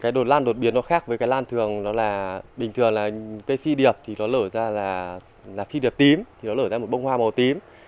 cái đột lan đột biến nó khác với cái lan thường nó là bình thường là cái phi điệp thì nó lở ra là phi điệp tím thì nó lở ra một bông hoa màu tím